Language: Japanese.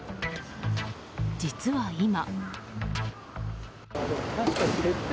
実は、今。